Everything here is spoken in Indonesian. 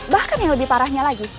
bahkan yang lebih parahnya lagi